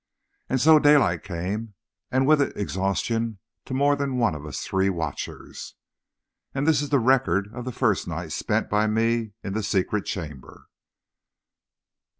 And so daylight came, and with it exhaustion to more than one of us three watchers. And this is the record of the first night spent by me in the secret chamber.